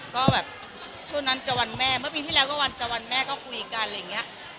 ก็แบบช่วงนั้นจะวันแม่เมื่อปีที่แล้วก็วันจะวันแม่ก็คุยกันอะไรอย่างนี้